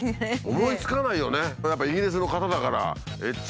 思いつかないよね。